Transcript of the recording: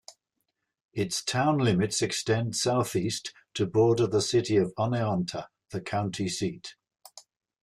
Its town limits extend southeast to border the city of Oneonta, the county seat.